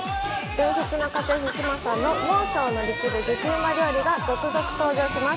伝説の家政婦・志麻さんの猛暑を乗り切る激ウマ料理が続々登場します。